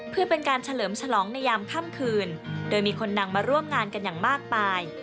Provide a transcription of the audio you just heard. เพื่อเป็นการเฉลิมฉลองในยามค่ำคืนโดยมีคนดังมาร่วมงานกันอย่างมากมาย